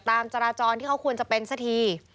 ตามจราจรที่เขาควรจะเป็นสักที